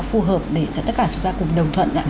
phù hợp để tất cả chúng ta cùng đồng thuận